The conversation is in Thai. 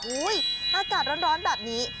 อุ้ยอากาศร้อนแบบนี้